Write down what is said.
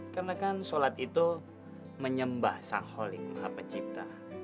karena kan shalat itu menyembah sang holi maha pencipta